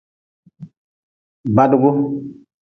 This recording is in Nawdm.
Badgu.